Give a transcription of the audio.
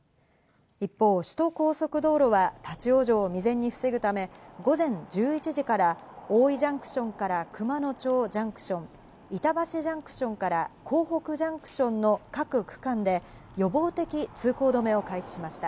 一方、首都高速道路は立ち往生を未然に防ぐため、午前１１時から大井ジャンクションから熊野町ジャンクション、板橋ジャンクションから江北ジャンクションの各区間で予防的通行止めを開始しました。